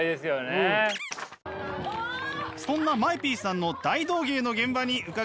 そんなＭＡＥＰさんの大道芸の現場に伺いました。